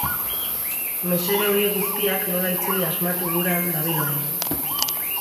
Mesede horiek guztiak nola itzuli asmatu guran dabil orain.